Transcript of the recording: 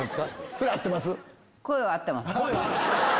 それ合ってます？